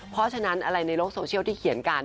เพราะฉะนั้นอะไรในโลกโซเชียลที่เขียนกัน